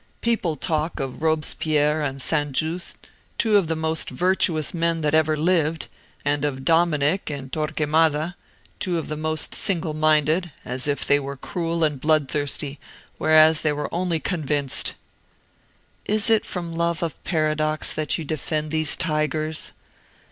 People talk of Robespierre and St. Just, two of the most virtuous men that ever lived and of Dominic and Torquemada, two of the most single minded as if they were cruel and bloodthirsty, whereas they were only convinced." "Is it from love of paradox that you defend these tigers?"